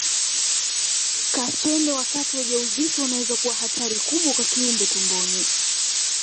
Kaswende wakati wa ujauzito unaweza kuwa hatari kubwa kwa kiumbe tumboni